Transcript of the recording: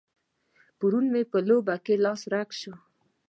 پرون مې په لوبه کې لاس رګی شو.